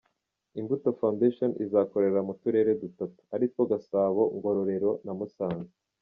Imbuto Foundation izakorera mu turere dutatu, aritwo Gasabo, Ngororero na Musanze.